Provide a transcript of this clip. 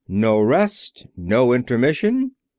No rest, no intermission.